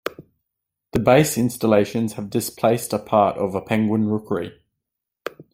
The base installations have displaced part of a penguin rookery.